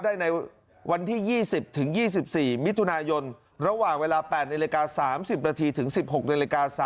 ได้ในวันที่๒๐๒๔มิถุนายนระหว่างเวลา๘นน๓๐นถึง๑๖นน๓๐น